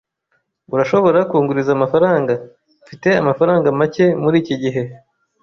Urashobora kunguriza amafaranga? Mfite amafaranga make muri iki gihe